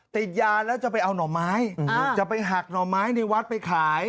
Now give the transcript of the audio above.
ติดยาแล้วจะไปเอาหน่อไม้จะไปหักหน่อไม้ในวัดไปขาย